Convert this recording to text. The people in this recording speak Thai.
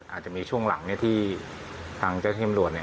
อาจจะมีช่วงหลังที่ทางเจ้าที่ตำรวจ